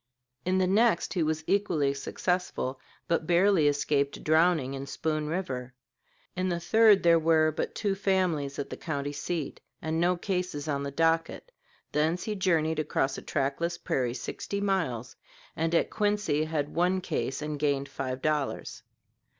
In the next he was equally successful, but barely escaped drowning in Spoon River. In the third there were but two families at the county seat, and no cases on the docket. Thence he journeyed across a trackless prairie sixty miles, and at Quincy had one case and gained five dollars.